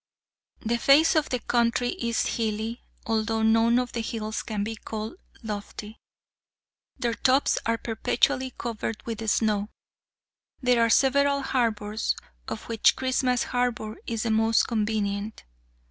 The face of the country is hilly, although none of the hills can be called lofty. Their tops are perpetually covered with snow. There are several harbors, of which Christmas Harbour is the most convenient.